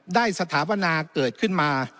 ได้สถาบันนาเกิดขึ้นมา